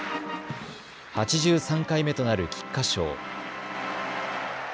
８３回目となる菊花賞。